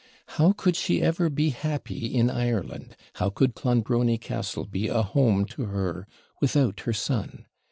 How could she ever be happy in Ireland how could Clonbrony Castle be a home to her, without her son?